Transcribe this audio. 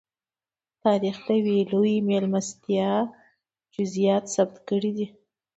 تاریخ د یوې لویې مېلمستیا جزییات ثبت کړي دي.